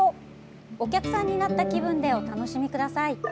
お客さんになった気分でお楽しみください。